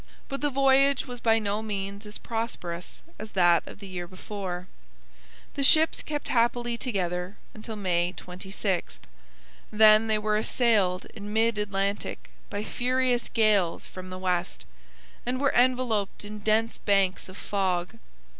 But the voyage was by no means as prosperous as that of the year before. The ships kept happily together until May 26. Then they were assailed in mid Atlantic by furious gales from the west, and were enveloped in dense banks of fog.